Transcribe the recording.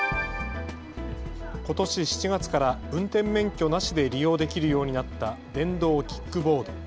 ことし７月から運転免許なしで利用できるようになった電動キックボード。